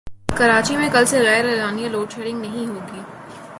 کراچی میں کل سے غیراعلانیہ لوڈشیڈنگ نہیں ہوگی